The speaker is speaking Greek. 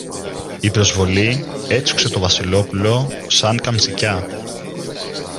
Η προσβολή έτσουξε το Βασιλόπουλο σαν καμτσικιά.